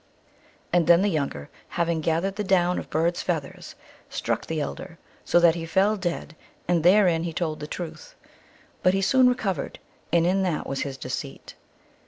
And then the younger, having gathered the down of bird s feathers, struck the elder, so that he fell dead, and therein he told the truth. But he soon re covered, and in that was his deceit.